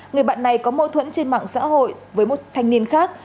người bạn này có mâu thuẫn trên mạng xã hội với một thanh niên khác